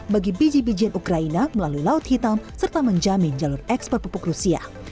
bagi biji bijian ukraina melalui laut hitam serta menjamin jalur ekspor pupuk rusia